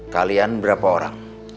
kalian berapa orang